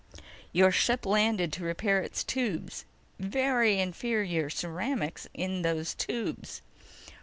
Your ship landed to repair its tubes. Very inferior ceramics in those tubes."